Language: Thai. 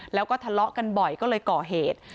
แล้วก็ทะเลาะกันบ่อยก็เลยก่อเหตุ